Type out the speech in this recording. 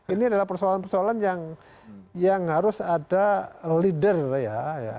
ini adalah persoalan persoalan yang harus ada leader ya